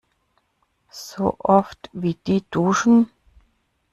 So oft, wie die duschen!